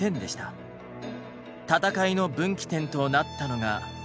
戦いの分岐点となったのが。